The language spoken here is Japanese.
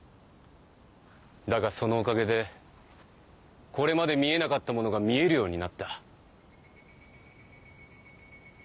だがそのおかげでこれまで見えなかったものが見えるようになった。